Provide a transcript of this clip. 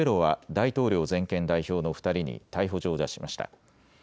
大統領全権代表の２人に逮捕状を出しました。